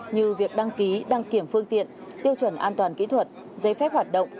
như việc đăng ký đăng kiểm phương tiện tiêu chuẩn an toàn kỹ thuật giấy phép hoạt động